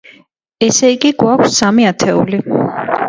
ესე იგი, გვაქვს სამი ათეული.